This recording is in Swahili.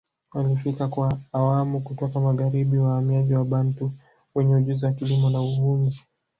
Walifika kwa awamu kutoka magharibi wahamiaji Wabantu wenye ujuzi wa kilimo na uhunzi